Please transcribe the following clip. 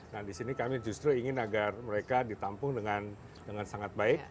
nah di sini kami justru ingin agar mereka ditampung dengan sangat baik